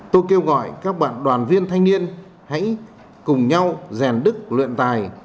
tôi kêu gọi các bạn đoàn viên thanh niên hãy cùng nhau rèn đức luyện tài